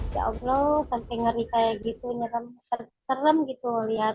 ya allah sampai ngeri kayak gitu serem gitu